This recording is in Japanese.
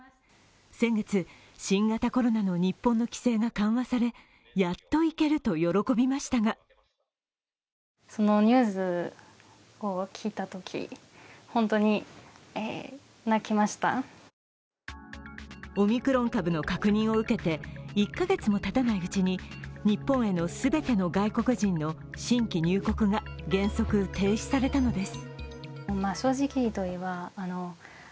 先月、新型コロナの日本の規制が緩和されやっと行けると喜びましたがオミクロン株の確認を受けて、１カ月もたたないうちに日本への全ての外国人の新規入国が原則、停止されたのです